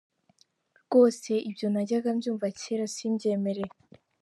Rwose, ibyo najyaga mbyumva kera, simbyemere.